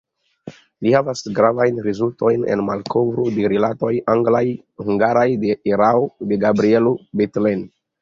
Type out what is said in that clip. Li havas gravajn rezultojn en malkovro de rilatoj anglaj-hungaraj, de erao de Gabrielo Bethlen.